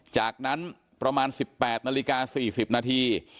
จากนั้นประมาณ๑๘นาฬิกา๔๐นาที